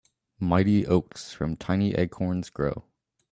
Mighty oaks from tiny acorns grow.